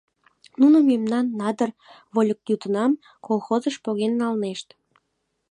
Нуно мемнан надыр вольык-ютынам колхозыш поген налнешт!